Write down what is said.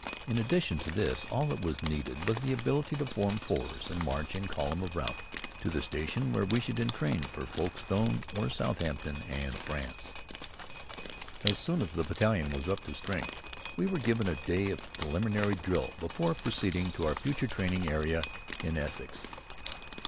In addition to this, all that was needed was the ability to form fours and march, in column of route, to the station where we should entrain for Folkestone or Southampton, and France. As soon as the battalion was up to strength, we were given a day of preliminary drill before proceeding to our future training area in Essex.